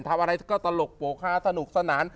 ทำอะไรก็ตลกโปรกฮาสนุกสนาน